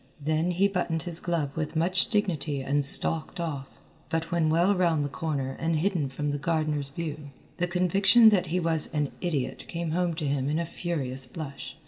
Then he buttoned his glove with much dignity and stalked off, but when well around the corner and hidden from the gardener's view, the conviction that he was an idiot came home to him in a furious blush.